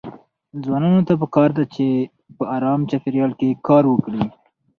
ځوانانو ته پکار ده چې په ارام چاپيريال کې کار وکړي.